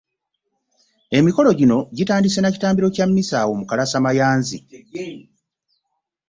Emikolo gino gitandise na kitambiro kya mmisa awo mu Kalasamayanzi.